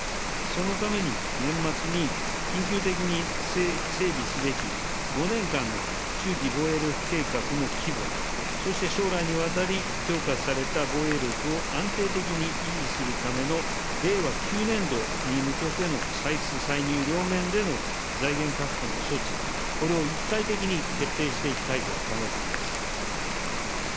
そのために、年末に緊急的に整備すべき５年間の中期防衛力の強化の規模、そして将来にわたり、強化された防衛力を安定的に維持するための、令和９年度に向けての歳出歳入両面での財源確保の措置、これを一体的に決定していきたいと考えています。